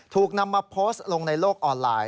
ถูกนำมาโพสต์ลงในโลกออนไลน์